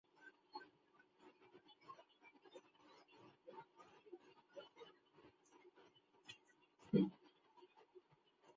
আমরা বলি, দুইটি প্রণালী আছে।